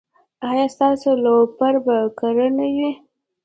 ایا ستاسو راپور به کره نه وي؟